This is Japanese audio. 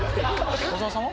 小沢さんは？